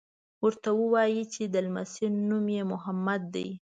ورته ووایي چې د لمسي نوم یې محمد دی.